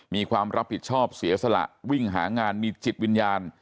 มีความรับผิดชอบเสียสละวิ่งหางานมีจิตวิญญาณ